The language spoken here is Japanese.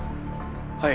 はい。